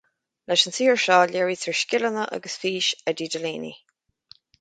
Leis an saothar seo léirítear scileanna agus fís Eddie Delaney